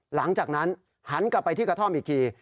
หลังจากนั้นหันกลับไปที่กระท่อมอีกที